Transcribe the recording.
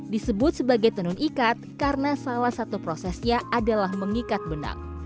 disebut sebagai tenun ikat karena salah satu prosesnya adalah mengikat benang